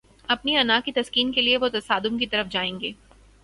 اپنی انا کی تسکین کے لیے وہ تصادم کی طرف جائیں گے۔